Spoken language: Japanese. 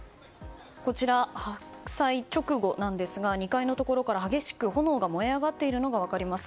こちら、発災直後なんですが２階のところから激しく炎が燃え上がっているのが分かります。